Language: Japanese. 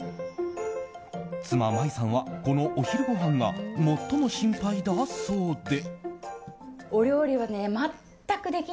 妻・麻衣さんはこのお昼ごはんが最も心配だそうで。